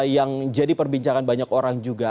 yang jadi perbincangan banyak orang juga